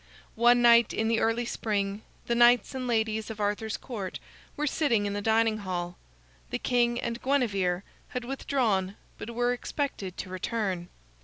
One night, in the early spring, the knights and ladies of Arthur's Court were sitting in the dining hall. The king and Guinevere had withdrawn, but were expected to return.